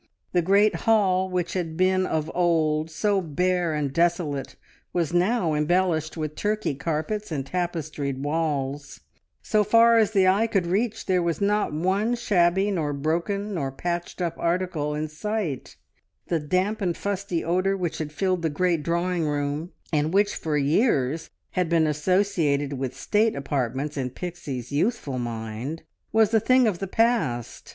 The great hall which had been of old so bare and desolate was now embellished with Turkey carpets and tapestried walls: so far as the eye could reach there was not one shabby, nor broken, nor patched up article; in sight; the damp and fusty odour which had filled the great drawing room, and which for years had been associated with State apartments in Pixie's youthful mind, was a thing of the past.